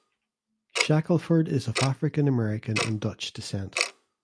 Shackelford is of African American and Dutch descent.